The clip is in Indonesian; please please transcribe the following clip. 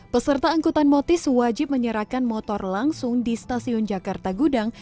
peserta angkutan motis wajib menyerahkan motor langsung di stasiun jakarta gudang